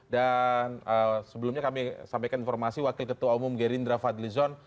dan sebelumnya kami sampaikan informasi wakil ketua umum gerindra fadlizon